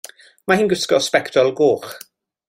Mae hi'n gwisgo sbectol goch.